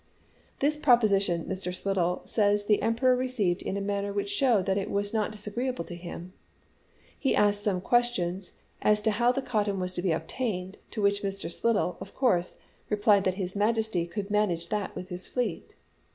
^ This proposition Mr. Slidell says the Emperor received in a manner which showed that it was not disagreeable to him. He asked some questions as to how the cotton was to be obtained, to which Mr. Slidell, of course, replied that his Majesty could manage that with his fleet.